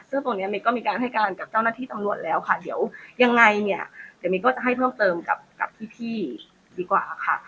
ซึ่งตรงนี้เมย์ก็มีการให้การกับเจ้าหน้าที่ตำรวจแล้วค่ะเดี๋ยวยังไงเนี่ยเดี๋ยวเมย์ก็จะให้เพิ่มเติมกับพี่ดีกว่าค่ะ